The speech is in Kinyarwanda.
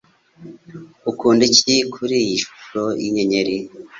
Ukunda iki kuriyi shusho y’inyenyeri?